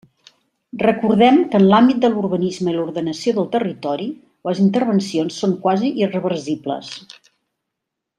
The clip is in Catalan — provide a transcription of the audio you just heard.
Recordem que en l'àmbit de l'urbanisme i l'ordenació del territori, les intervencions són quasi irreversibles.